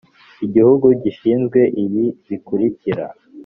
igihugu gishinzwe ibi bikurikira